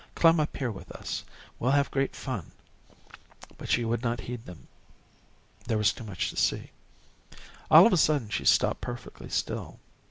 Climb up here with us. We'll have great fun," but she would not heed them. There was too much to see. All of a sudden, she stopped perfectly still.